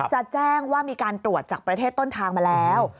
จะแจ้งว่ามีการตรวจจากประเทศต้นทางมาแล้ว